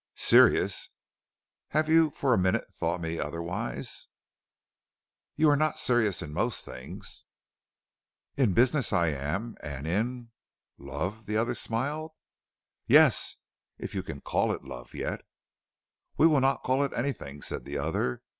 "Serious? Have you for a minute thought me otherwise?" "You are not serious in most things." "In business I am, and in " "Love?" the other smiled. "Yes, if you can call it love, yet." "We will not call it anything," said the other.